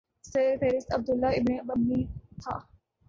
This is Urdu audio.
سر فہرست عبداللہ ابن ابی تھا